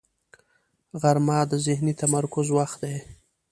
غرمه د ذهني تمرکز وخت دی